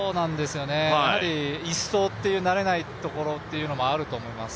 やはり１走という慣れないところもあると思います。